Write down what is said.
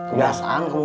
udah sang kamu ah